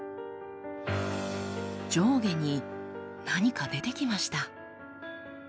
上下に何か出てきました。